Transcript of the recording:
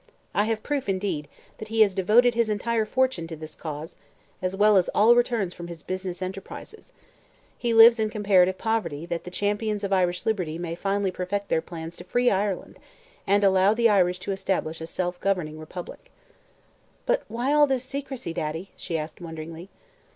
I have proof, indeed, that he has devoted his entire fortune to this cause, as well as all returns from his business enterprises. He lives in comparative poverty that the Champions of Irish Liberty may finally perfect their plans to free Ireland and allow the Irish to establish a self governing republic." "But why all this secrecy, Daddy?" she asked wonderingly.